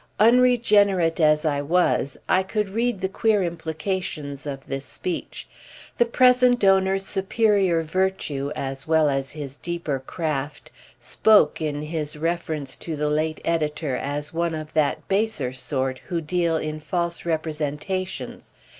Unregenerate as I was I could read the queer implications of this speech. The present owner's superior virtue as well as his deeper craft spoke in his reference to the late editor as one of that baser sort who deal in false representations.